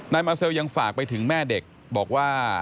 นายมาเซลยังฝากไปถึงแม่เด็กบอกว่า